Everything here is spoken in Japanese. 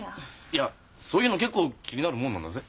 いやそういうの結構気になるもんなんだぜ。